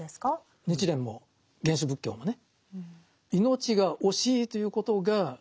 日蓮も原始仏教もね